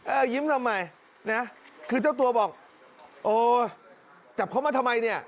ยิ้มทำไมนะคือเจ้าตัวบอกโอ้จับเขามาทำไมเนี่ย